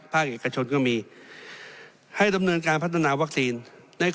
เอกชนก็มีให้ดำเนินการพัฒนาวัคซีนใน